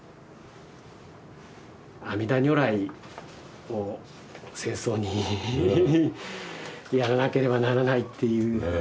阿弥陀如来を戦争にやらなければならないっていう